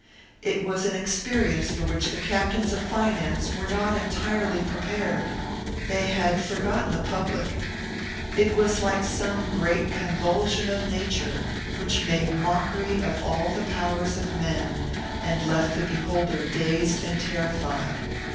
It was an experience for which the captains of finance were not entirely prepared; they had forgotten the public. It was like some great convulsion of nature, which made mockery of all the powers of men, and left the beholder dazed and terrified.